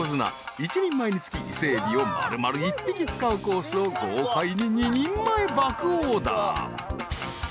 ［１人前につき伊勢エビを丸々一匹使うコースを豪快に２人前爆オーダー］